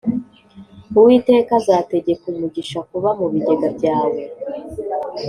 uwiteka azategeka umugisha kuba mu bigega byawe